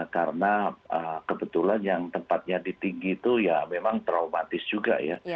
karena kebetulan yang tempatnya di tinggi itu ya memang traumatis juga ya